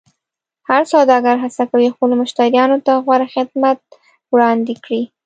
هر سوداګر هڅه کوي خپلو مشتریانو ته غوره خدمت وړاندې کړي.